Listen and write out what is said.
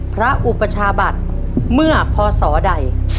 อุปชาบัติเมื่อพศใด